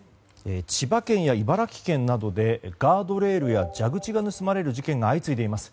千葉県や茨城県などでガードレールや蛇口が盗まれる事件が相次いでいます。